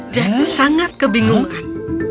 jack sangat kebingungan